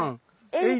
えっ！